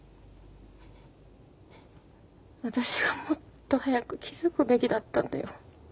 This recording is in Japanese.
私がもっと早く気づくべきだったんだよ。